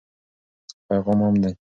پیغام عام دی.